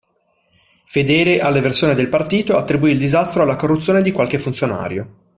Fedele alla versione del partito, attribuì il disastro alla corruzione di qualche funzionario.